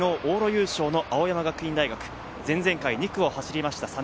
昨日、往路優勝の青山学院大学、前々回２区を走りました